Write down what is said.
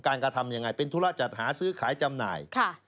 กระทำยังไงเป็นธุระจัดหาซื้อขายจำหน่าย